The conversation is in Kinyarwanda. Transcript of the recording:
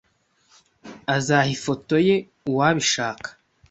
Azaha ifoto ye uwabishaka